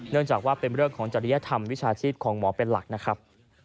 จากว่าเป็นเรื่องของจริยธรรมวิชาชีพของหมอเป็นหลักนะครับ